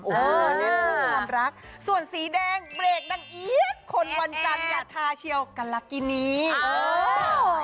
นี่คือความรักส่วนสีแดงเบรกดังอี๊ดคนวันจันทร์อยากทาเชียวกัลลักษณีย์